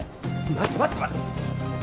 待って待って待って。